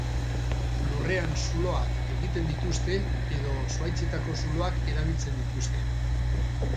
Lurrean zuloak egiten dituzte edo zuhaitzetako zuloak erabiltzen dituzte.